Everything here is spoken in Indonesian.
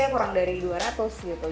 kurang dari dua ratus gitu